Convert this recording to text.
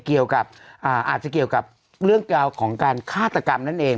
เกี่ยวกับอ่าอาจจะเกี่ยวกับเรื่องของการฆาตกรรมนั่นเอง